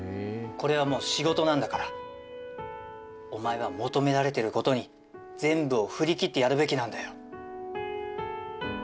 これはもう仕事なんだからおまえは求められてることに全部を振り切ってやるべきなんだよ